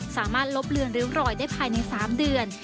ลบเลือนริ้วรอยได้ภายใน๓เดือน